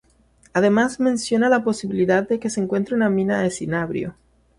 Además menciona la posibilidad de que se encuentre una mina de cinabrio.